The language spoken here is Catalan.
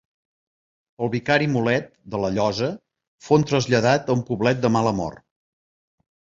El vicari Mulet, de la Llosa, fon traslladat a un poblet de mala mort.